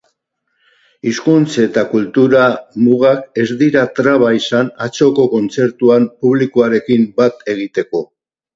Hizkuntz eta kultura mugak ez dira traba izan atzoko kontzertuan publikoarekin bat egiteko.